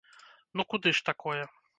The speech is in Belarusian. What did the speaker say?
Ну куды ж такое?